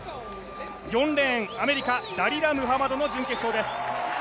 ４レーン、アメリカダリラ・ムハマドの準決勝です。